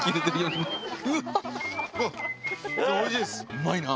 うまいな。